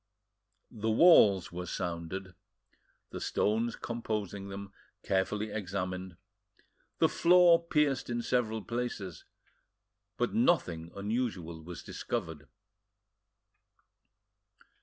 The walls were sounded, the stones composing them carefully examined, the floor pierced in several places, but nothing unusual was discovered.